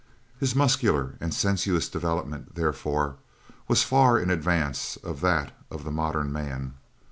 His muscular and sensuous development, therefore, was far in advance of that of the modern man.